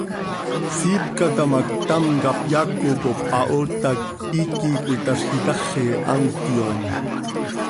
Siipca taa ma, ctam cap yaaco cop ahoot hac iiqui cöitaazj itaxi, hant yoom.